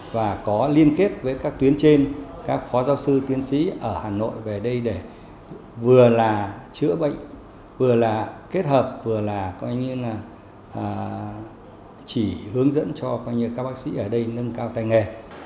và có liên kết với các tuyến trên các khóa giáo sư tiến sĩ ở hà nội về đây để vừa là chữa bệnh vừa là kết hợp vừa là chỉ hướng dẫn cho các bác sĩ ở đây nâng cao tài nghề